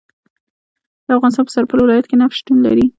د افغانستان په سرپل ولایت کې نفت شتون لري